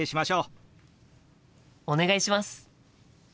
お願いします。